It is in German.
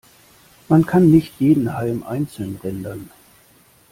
Man kann nicht jeden Halm einzeln rendern.